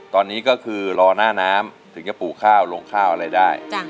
ตอนนี้ก็คือรอหน้าน้ำถึงจะปลูกข้าวลงข้าวอะไรได้